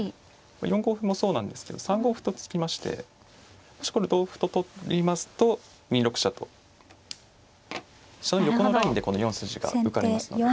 ４五歩もそうなんですけど３五歩と突きましてもしこれ同歩と取りますと２六飛車と飛車の横のラインでこの４筋が受かりますので。